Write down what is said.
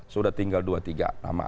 sudah tinggal dua tiga nama